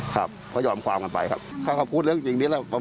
เหมือนแทนเงินที่คนตายืมครับครับยืมไปประมาณนี้ครับ